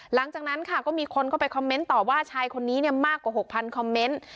หลังจากนั้นค่ะก็มีคนเข้าไปคอมเมนต์ต่อว่าชายคนนี้มากกว่า๖๐๐คอมเมนต์